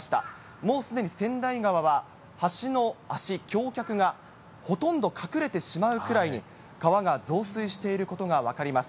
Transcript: もうすでに川内川は、橋の脚、橋脚がほとんど隠れてしまうくらいに、川が増水していることが分かります。